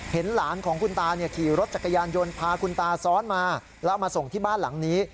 เห็นหลานของคุณตาขี่รถจักรยานยนต์พาคุณตาซ้อนมาแล้วมาส่งที่บ้านหลังนี้